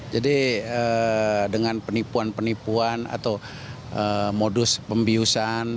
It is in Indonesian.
jadi dengan penipuan penipuan atau modus pembiusan